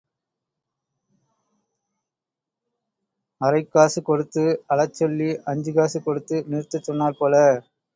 அரைக் காசு கொடுத்து அழச்சொல்லி அஞ்சு காசு கொடுத்து நிறுத்தச் சொன்னாற் போல.